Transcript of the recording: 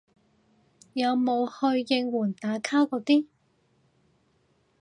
有冇去應援打卡嗰啲